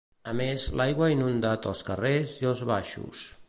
A més, l'aigua ha inundat els carrers i els baixos.